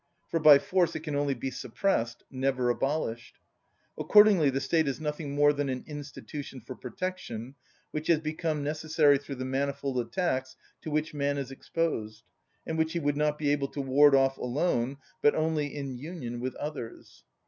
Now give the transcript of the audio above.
For by force it can only be suppressed, never abolished. Accordingly the State is nothing more than an institution for protection, which has become necessary through the manifold attacks to which man is exposed, and which he would not be able to ward off alone, but only in union with others.